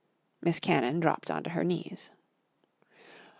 Miss Cannon dropped on to her knees.